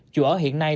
chủ ở hiện nay